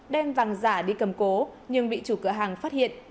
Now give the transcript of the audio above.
đem vàng giả đi cầm cố nhưng bị chủ cửa hàng phát hiện